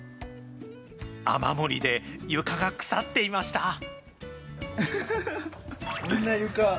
雨漏りで床が腐っていました。